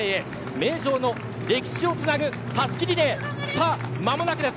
名城の歴史をつなぐたすきリレー間もなくです。